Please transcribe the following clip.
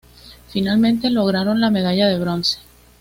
Finalmente lograron la medalla de bronce.